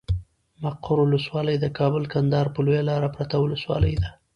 مقر ولسوالي د کابل کندهار پر لويه لاره پرته ولسوالي ده.